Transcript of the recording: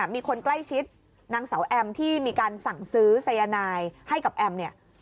มีคนใกล้ชิดนางสาวแอมที่มีการสั่งซื้อสายนายให้กับแอมเนี่ย